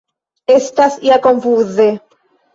Estas ja konfuze.